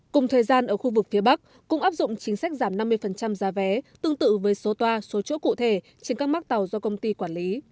cùng thời gian ở khu vực phía bắc cũng áp dụng chính sách giảm năm mươi giá vé tương tự với số toa số chỗ cụ thể trên các mắc tàu do công ty quản lý